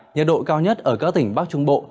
nhiệt độ cao nhất ở các tỉnh bắc trung bộ